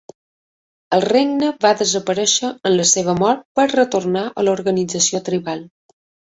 El regne va desaparèixer amb la seva mort per retornar a l'organització tribal.